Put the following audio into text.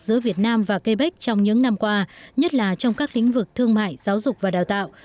giữa việt nam và quebec trong những năm qua nhất là trong các lĩnh vực thương mại giáo dục và đào tạo